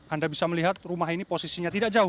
anda bisa melihat rumah ini posisinya tidak jauh